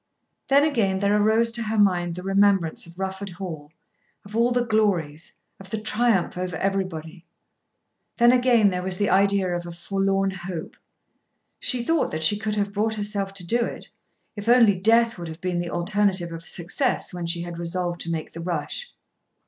Then again there arose to her mind the remembrance of Rufford Hall, of all the glories, of the triumph over everybody. Then again there was the idea of a "forlorn hope." She thought that she could have brought herself to do it, if only death would have been the alternative of success when she had resolved to make the rush.